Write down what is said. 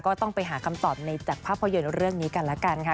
ก็ต้องไปหาคำตอบในจากภาพยนตร์เรื่องนี้กันละกันค่ะ